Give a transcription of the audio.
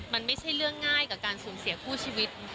มันไม่ใช่เรื่องง่ายกับการสูญเสียคู่ชีวิต